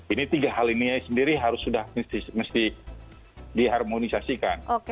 ini tiga hal ini sendiri harus sudah mesti diharmonisasikan